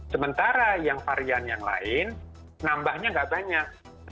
sementara yang varian yang lain nambahnya nggak banyak